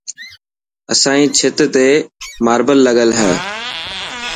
اسائي ڇت تي ماربل لگل هي.